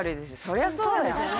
そりゃそうですよ